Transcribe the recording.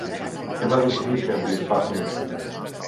Què va decidir fer-li Fafnir?